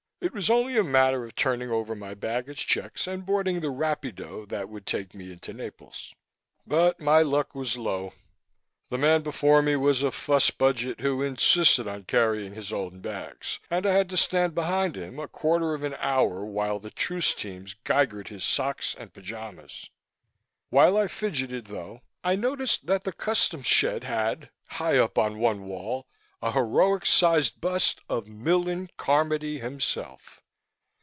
It was only a matter of turning over my baggage checks, and boarding the rapido that would take me into Naples. But my luck was low. The man before me was a fussbudget who insisted on carrying his own bags, and I had to stand behind him a quarter of an hour, while the truce teams geigered his socks and pajamas. While I fidgeted, though, I noticed that the Customs shed had, high up on one wall, a heroic sized bust of Millen Carmody himself.